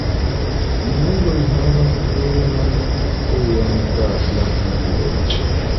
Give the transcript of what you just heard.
Junuloj havas brunan strion tra la flugiloj.